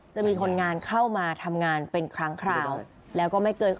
จะมีคนงานเข้ามาทำงานเป็นครั้งคราวแล้วก็ไม่เกิน